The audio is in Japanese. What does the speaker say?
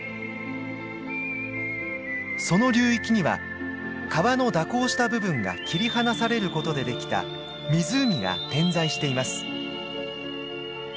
その流域には川の蛇行した部分が切り離されることでできた湖が点在しています。